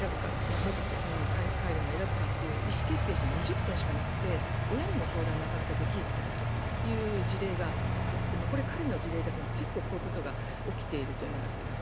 元来た国に帰るか選ぶ時間が意思決定が２０分しかなくて親にも相談がなかなかできないという事例があって彼の事例だけじゃなくて結構こういうことが起きているといわれています。